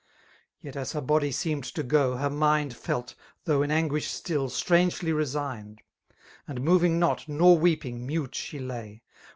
Yet as her body aeeikied to go, her aoliid ' Fdc^ though in aaguish still, «tniagely resigned ; And moving not, nor weeping, mute she lay.